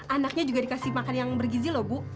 anaknya juga dikasih makan yang bergizi loh bu